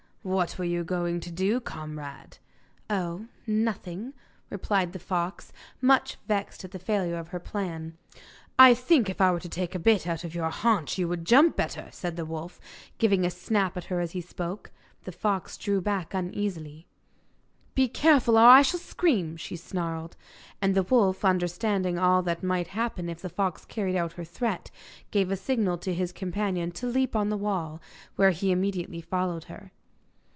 'What were you going to do, comrade?' 'Oh, nothing,' replied the fox, much vexed at the failure of her plan. 'I think if I were to take a bit out of your haunch you would jump better,' said the wolf, giving a snap at her as he spoke. The fox drew back uneasily. 'Be careful, or I shall scream,' she snarled. And the wolf, understanding all that might happen if the fox carried out her threat, gave a signal to his companion to leap on the wall, where he immediately followed her.